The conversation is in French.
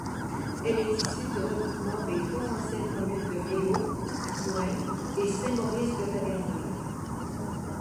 Elle est issue du regroupement des trois anciennes communes de Réaux, Moings et Saint-Maurice-de-Tavernole.